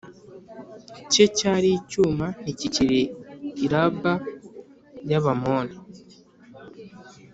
cye cyari icy icyuma ntikikiri i Raba y Abamoni